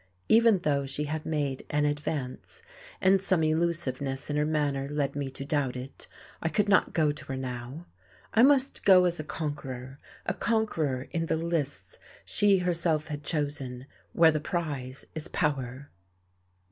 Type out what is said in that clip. Even though she had made an advance and some elusiveness in her manner led me to doubt it I could not go to her now. I must go as a conqueror, a conqueror in the lists she herself had chosen, where the prize is power.